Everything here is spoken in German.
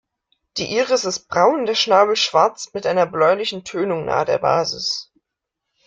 Die Iris ist braun, der Schnabel schwarz mit einer bläulichen Tönung nahe der Basis.